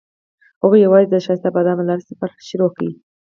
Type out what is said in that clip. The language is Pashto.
هغوی یوځای د ښایسته باد له لارې سفر پیل کړ.